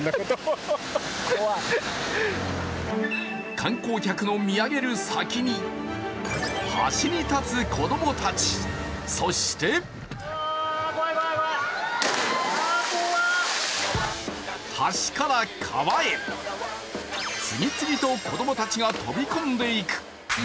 観光客の見上げる先に橋に立つ子供たち、そして橋から川へ、次々と子供たちが飛び込んでいく。